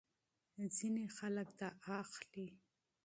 ځینې خلک دا اخلي.